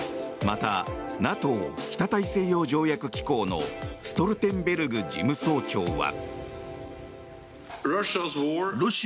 またＮＡＴＯ・北大西洋条約機構のストルテンベルグ事務総長は。